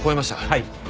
はい。